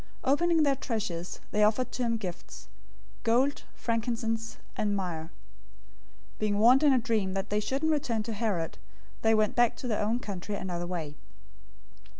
Opening their treasures, they offered to him gifts: gold, frankincense, and myrrh. 002:012 Being warned in a dream that they shouldn't return to Herod, they went back to their own country another way.